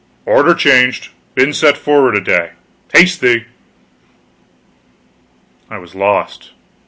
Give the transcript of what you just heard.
"Order changed; been set forward a day. Haste thee!" I was lost.